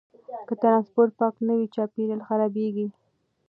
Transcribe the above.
که ټرانسپورټ پاک نه وي، چاپیریال خرابېږي.